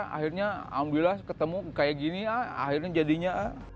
akhirnya alhamdulillah ketemu seperti ini akhirnya jadinya